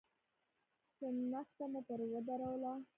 شنخته مو پر ودروله.